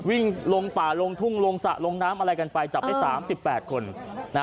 วิ่งลงป่าลงทุ่งลงสระลงน้ำอะไรกันไปจับได้๓๘คน